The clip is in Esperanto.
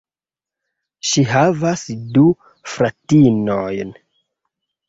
Ŝi havas du fratinojn.